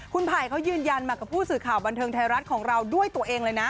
คุณไผ่เขายืนยันมากับผู้สื่อข่าวบันเทิงไทยรัฐของเราด้วยตัวเองเลยนะ